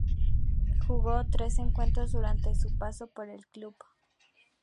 Jugó tres encuentros durante su paso por el club.